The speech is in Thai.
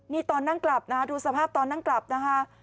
นี่ตอนนั่งกลับนะดูสภาพตอนนั่งกลับนะคะ